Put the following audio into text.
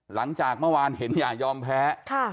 หลังจากเมื่อวานเห็นอย่ายอมแพ้